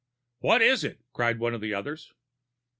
"What is it?" cried one of the others.